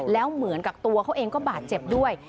แล้วเหมือนกับตัวเขาเองก็บาดเจ็บด้วย